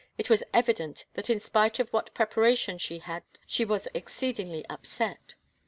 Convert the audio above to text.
It was evident that in spite of what preparation she had she was exceedingly upset.